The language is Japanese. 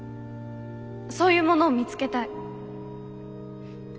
そういうものを見つけたい。